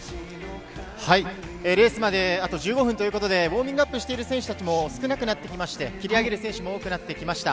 レースまであと１５分ということで、ウォーミングアップしている選手たちも少なくなってきまして、切り上げる選手も多くなってきました。